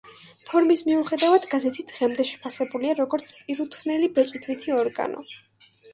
ფორმის მიუხედავად, გაზეთი დღემდე შეფასებულია როგორც პირუთვნელი ბეჭდვითი ორგანო.